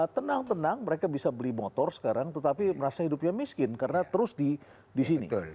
tenang tenang mereka bisa beli motor sekarang tetapi merasa hidupnya miskin karena terus di sini